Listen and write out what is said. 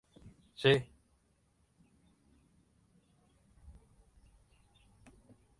El árbol con frecuencia permanece verde hasta el inicio del invierno.